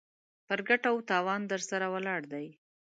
پر ګټه و تاوان درسره ولاړ دی.